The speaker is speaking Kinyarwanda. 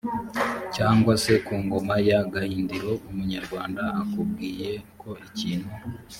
cyangwa se ku ngoma ya gahindiro umunyarwanda akubwiye ko ikintu